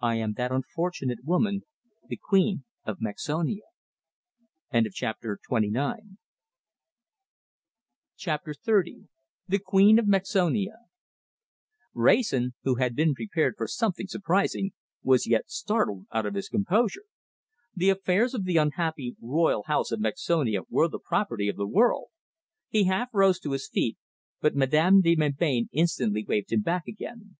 I am that unfortunate woman the Queen of Mexonia!" CHAPTER XXX THE QUEEN OF MEXONIA Wrayson, who had been prepared for something surprising, was yet startled out of his composure. The affairs of the unhappy Royal House of Mexonia were the property of the world. He half rose to his feet, but Madame de Melbain instantly waved him back again.